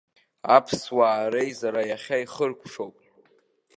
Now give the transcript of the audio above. Аԥсуаа реизара иахьа ихыркәшоуп.